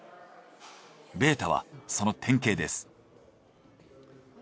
ベータはその典型です。